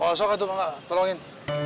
oh sokat tuh mbak tolongin